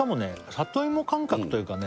里芋感覚というかね